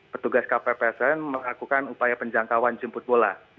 petugas kppsn melakukan upaya penjangkauan jemput bola